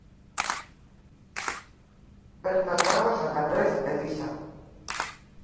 Bertan dago San Andres eliza.